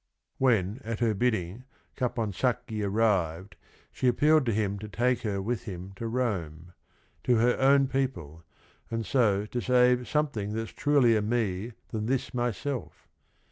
" When at her bidding Caponsacchi arrived, she appealed to him to take her with him to Rome, to her own people, — and so to save " Something that's trulier me than this myself."